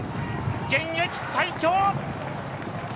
現役最強！